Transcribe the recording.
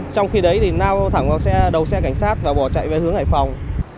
trong khi đấy thì nao thẳng vào đầu xe cảnh sát và bỏ chạy về hướng hải phòng